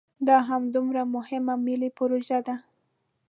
دا همدومره مهمه ملي پروژه ده.